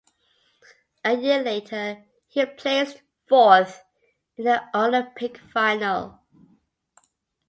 A year later he placed fourth in the Olympic final.